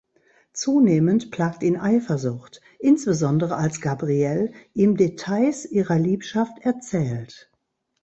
Zunehmend plagt ihn Eifersucht, insbesondere als Gabrielle ihm Details ihrer Liebschaft erzählt.